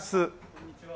こんにちは。